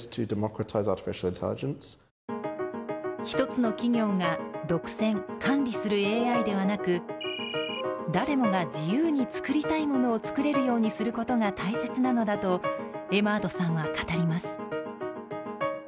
１つの企業が独占・管理するＡＩではなく誰もが自由に、作りたいものを作れるようにすることが大切なのだとエマードさんは語ります。